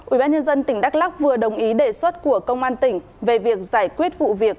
ubnd tỉnh đắk lắc vừa đồng ý đề xuất của công an tỉnh về việc giải quyết vụ việc